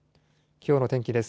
きょうの天気です。